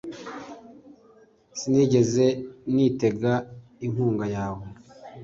Sinigeze nitega inkunga yawe